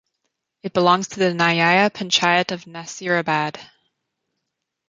It belongs to the nyaya panchayat of Nasirabad.